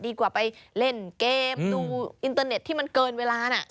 ดีกว่าไปเล่นเกมดูอินเตอร์เน็ตที่มันเกินเวลาน่ะ